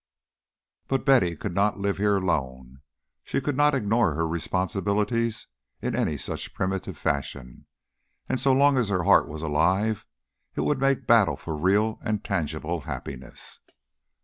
But Betty could not live here alone, she could not ignore her responsibilities in any such primitive fashion; and so long as her heart was alive it would make battle for real and tangible happiness.